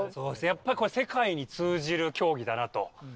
やっぱり世界に通じる競技だなと。